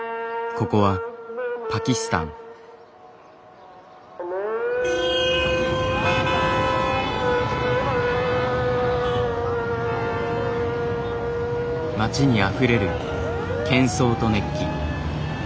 ・ここは街にあふれる喧騒と熱気。